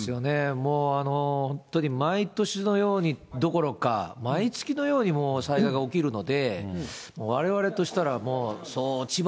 もう本当に毎年のようにどころか、毎月のようにもう災害が起きるので、われわれとしたらもう、千葉